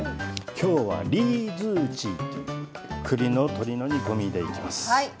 今日はリーズーチィっていう栗の鶏の煮込みでいきます。